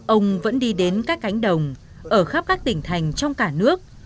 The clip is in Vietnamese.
ông vẫn đi đến các cánh đồng ở khắp các tỉnh thành trong cả nước